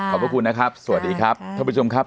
ขอบคุณนะครับสวัสดีครับท่านผู้ชมครับ